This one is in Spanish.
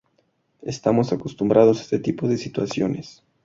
Estamos acostumbrados a este tipo de situaciones".